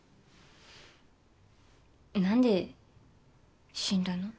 何で死んだの？